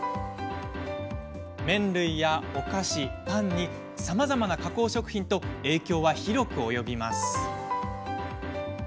麺類やお菓子、パンにさまざまな加工食品と影響は広く及びます。